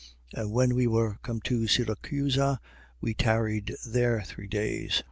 28:12. And when we were come to Syracusa, we tarried there three days. 28:13.